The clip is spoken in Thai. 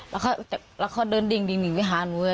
แล้วเค้าเดินดิ่งดิ่งดิ่งไปหานุเนี่ย